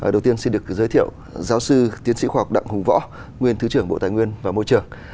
đầu tiên xin được giới thiệu giáo sư tiến sĩ khoa học đặng hùng võ nguyên thứ trưởng bộ tài nguyên và môi trường